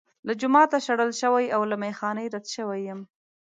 له جوماته شړل شوی او له میخا نه رد شوی یم.